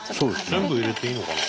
全部入れていいのかな？